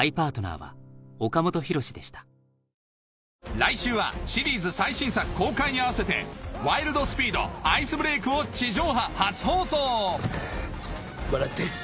来週はシリーズ最新作公開に合わせて『ワイルド・スピードＩＣＥＢＲＥＡＫ』を地上波初放送笑って。